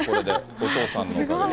お父さんのおかげで。